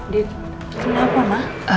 dit ada apa ma